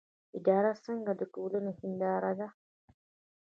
اداره څنګه د ټولنې هنداره ده؟